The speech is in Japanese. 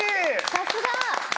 さすが！